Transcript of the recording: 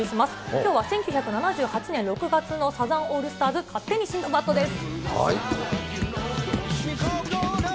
きょうは１９７８年６月のサザンオールスターズ、勝手にシンドバットです。